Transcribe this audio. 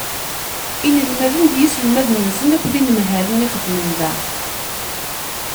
Inelmaden d yiselmaden-nsen akked yinemhalen i ixeddmen da.